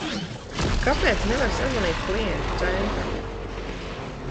Kāpēc nevar sazvanīt klientu centru?